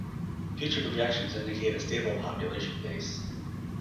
Future projections indicate a stable population base.